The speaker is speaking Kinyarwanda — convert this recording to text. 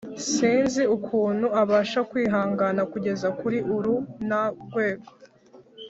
sinzi ukuntu abasha kwihangana kugeza kuri urunrwgo